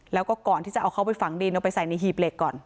แล้วก็ก่อนที่จะเอาเขาไปฝังดินเอาไปใส่ในหีบเหล็กก่อน